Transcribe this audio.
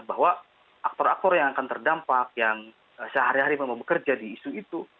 bahwa aktor aktor yang akan terdampak yang sehari hari memang bekerja di isu itu